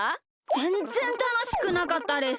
ぜんぜんたのしくなかったです。